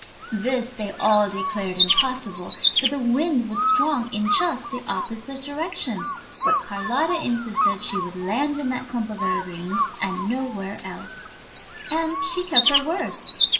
This they all declared impossible, for the wind was strong in just the opposite direction; but Carlotta insisted she would land in that clump of evergreens and nowhere else. And she kept her word.